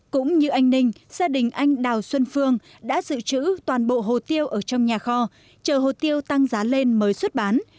cũng như anh ninh gia đình anh đào xuân phương đã dự trữ toàn bộ hồ tiêu ở trong nhà kho chờ hồ tiêu tăng giá lên mới xuất bán